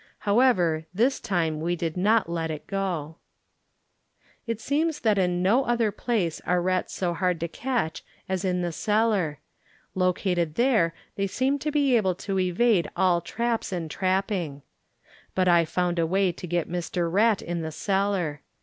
However, this time we did not let it go. It seems that in no other place are rats so hard to catch as in the cellar. Located there they seem to be able to evade all traps and trapping. But I found a way to get Mr. Rat in the cellar.